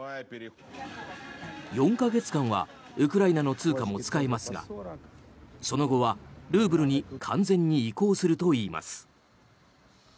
４か月間はウクライナの通貨も使えますがその後は、ルーブルに完全に移行するといいます。